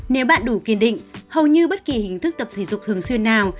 nếu bạn đủ kiên định hầu như bất kỳ hình thức tập thể dục thường xuyên nào